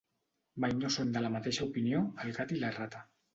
Mai no són de la mateixa opinió, el gat i la rata.